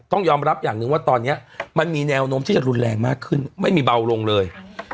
ต้องยอมรับอย่างหนึ่งว่าตอนนี้มันมีแนวโน้มที่จะรุนแรงมากขึ้นไม่มีเบาลงเลย